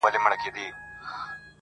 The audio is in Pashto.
کله د کونترې پۀ څېر کله هم د مار غوندې